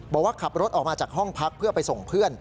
บอกว่าขับรถออกมาจากห้องพักเพื่อไปส่งเพื่อน